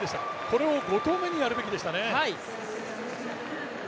これを５投目にやるべきでしたね。